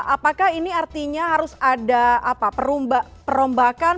apakah ini artinya harus ada perombakan